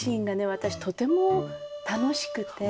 私とても楽しくて。